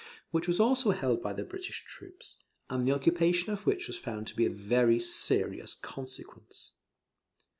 ] which was also held by the British troops, and the occupation of which was found to be of very serious consequence.